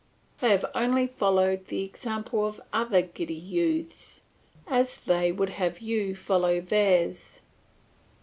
They have only followed the example of other giddy youths, as they would have you follow theirs.